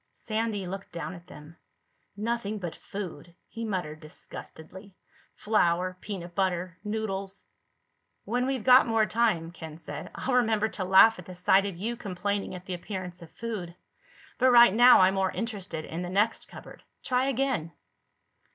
Sandy looked down at them. "Nothing but food," he muttered disgustedly. "Flour, peanut butter, noodles...." "When we've got more time," Ken said, "I'll remember to laugh at the sight of you complaining at the appearance of food. But right now I'm more interested in the next cupboard. Try again."